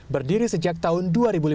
berdiri sejak tahun dua ribu lima belas